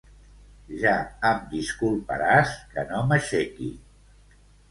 Ja em disculparàs que no m'aixequi...